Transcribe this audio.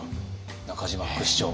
中島副市長。